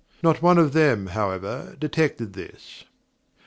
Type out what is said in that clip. Not one of them, however, detected this.